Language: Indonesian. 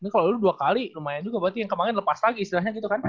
kalo lu dua kali lumayan juga berarti yang kemaren lepas lagi istilahnya gitu kan